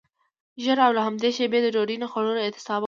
ژر او له همدې شیبې د ډوډۍ نه خوړلو اعتصاب وکړئ.